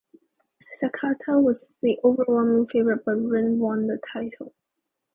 Sakata was the overwhelming favorite, but Rin won the title.